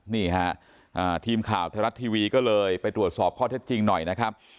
นี่ฮะทีมข่าวไทยรัฐทีวีก็เลยไปตรวจสอบข้อเท็จจริงหน่อยนะครับ